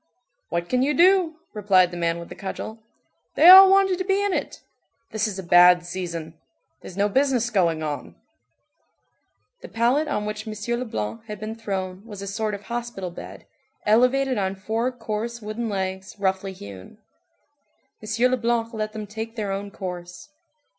"What can you do?" replied the man with the cudgel, "they all wanted to be in it. This is a bad season. There's no business going on." The pallet on which M. Leblanc had been thrown was a sort of hospital bed, elevated on four coarse wooden legs, roughly hewn. M. Leblanc let them take their own course.